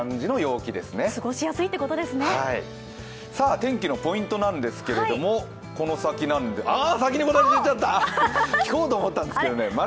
天気のポイントなんですけど、先に答え出ちゃった、聞こうと思ったんですけどね。